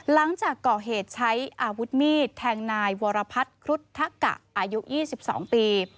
หลังจากก่อเหตุใช้อาวุธมีดแทงนายวรพัฒน์ครุฑทะกะอายุ๒๒ปี